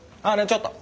ちょっと。